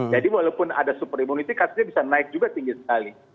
walaupun ada super immunity kasusnya bisa naik juga tinggi sekali